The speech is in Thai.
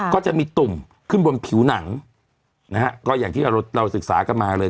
ก็จะมีตุ่มขึ้นบนผิวหนังนะฮะก็อย่างที่เราเราศึกษากันมาเลย